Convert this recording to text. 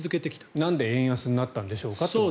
なんで円安になったんでしょうかということ。